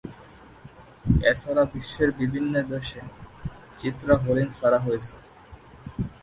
এছাড়া বিশ্বের বিভিন্ন দেশে চিত্রা হরিণ ছাড়া হয়েছে।